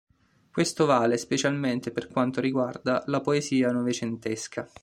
Questo vale specialmente per quanto riguarda la poesia novecentesca.